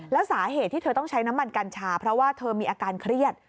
แล้วสาเหตุที่เธอต้องใช้น้ำมันกัญชาเพราะว่าเธอมีอาการเครียด